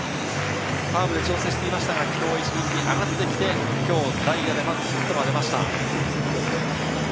ファームで調整してきましたが、昨日１軍に上がって、今日、代打でヒットが出ました。